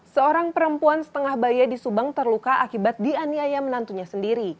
seorang perempuan setengah bayi di subang terluka akibat dianiaya menantunya sendiri